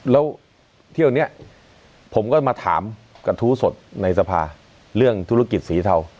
แล้วเที่ยวนี้ผมก็มาถามกระทู้สดในสภาเรื่องธุรกิจสีเทา